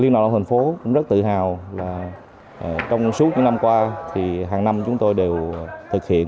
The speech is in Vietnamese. liên đoàn lao động thành phố rất tự hào trong suốt những năm qua hàng năm chúng tôi đều thực hiện